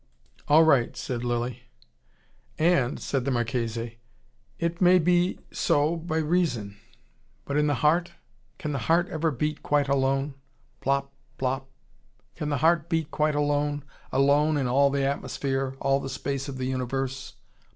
"All right," said Lilly. "And," said the Marchese, "it may be so by REASON. But in the heart ? Can the heart ever beat quite alone? Plop! Plop! Can the heart beat quite alone, alone in all the atmosphere, all the space of the universe?